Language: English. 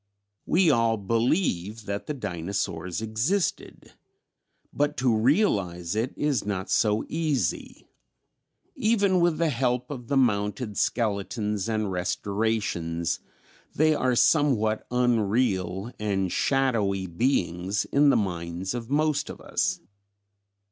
We all believe that the Dinosaurs existed. But to realize it is not so easy. Even with the help of the mounted skeletons and restorations, they are somewhat unreal and shadowy beings in the minds of most of us.